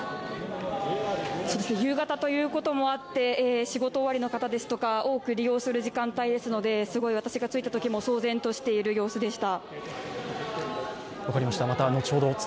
夕方ということもあって、仕事終わりの方ですとか多く利用する時間帯ですので私が着いたときも騒然としている様子でした。